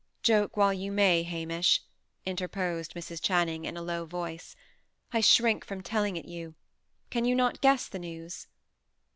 "Joke while you may, Hamish," interposed Mrs. Channing, in a low voice; "I shrink from telling it you. Can you not guess the news?"